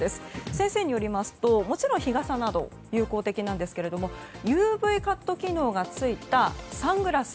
先生によりますともちろん日傘など有効的ですがＵＶカット機能がついたサングラス。